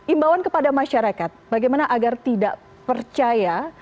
imbauan kepada masyarakat bagaimana agar tidak percaya